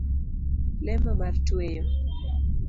Lemo mar tweyo